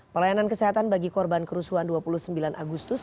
pelayanan kesehatan bagi korban kerusuhan dua puluh sembilan agustus